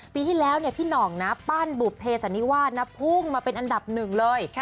ปีที่แล้วพี่หน่องนะปั้นบุภเพสันนิวาสนะพุ่งมาเป็นอันดับหนึ่งเลย